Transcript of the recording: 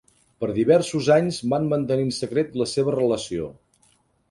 Per diversos anys van mantenir en secret la seva relació.